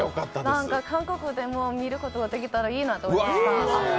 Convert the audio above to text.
なんか、韓国でも見ることができたらいいなと思いました。